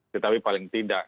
tetapi paling tidak